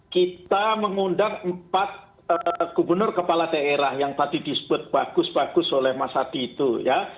kita mengundang empat gubernur kepala daerah yang tadi disebut bagus bagus oleh mas adi itu ya